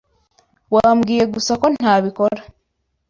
Wambwiye gusa ko ntabikora.